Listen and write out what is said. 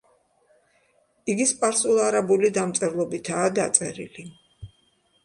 იგი სპარსულ-არაბული დამწერლობითაა დაწერილი.